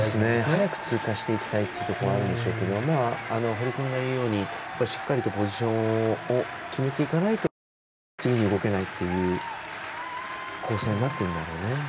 早く通過していきたいというところはあるんでしょうが堀君が言うようにしっかりとポジションを決めていかないと次に動けないという構成になっているんだろうね。